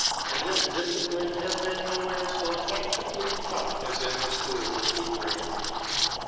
And this discipline has been nowhere so effectively taught as in the school of Hebraism.